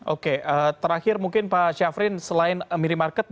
oke terakhir mungkin pak syafrin selain minimarket